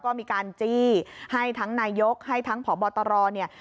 ก็มีการจี้ให้ทั้งนายกให้ทั้งพบตรเนี่ย